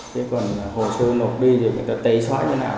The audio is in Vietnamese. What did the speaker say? thế còn hồ sơ nộp đi thì người ta tẩy xóa như thế nào